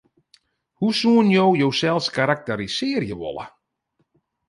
Hoe soenen jo josels karakterisearje wolle?